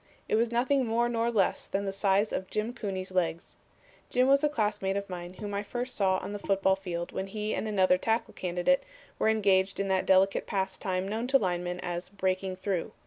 It was nothing more nor less than the size of Jim Cooney's legs. Jim was a classmate of mine whom I first saw on the football field when he and another tackle candidate were engaged in that delicate pastime known to linemen as breaking through.